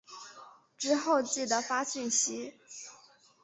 之后记得发讯息